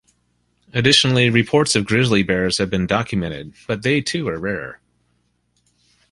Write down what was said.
Additionally, reports of grizzly bears have been documented but they too are rare.